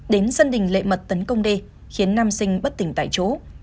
đến sân đình lệ mật tấn công đê khiến nam sinh bất tỉnh tại chỗ